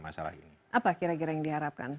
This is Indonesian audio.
masalah ini apa kira kira yang diharapkan